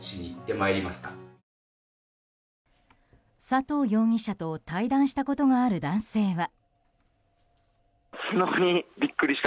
佐藤容疑者と対談したことがある男性は。